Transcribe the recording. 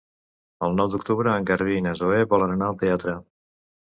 El nou d'octubre en Garbí i na Zoè volen anar al teatre.